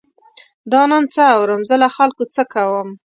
دا نن څه اورم، زه له خلکو څه کوم.